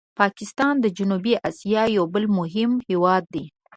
پاکستان د جنوبي آسیا یو بل مهم هېواد دی.